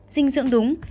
dinh dưỡng đúng